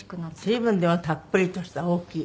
随分でもたっぷりとした大きい。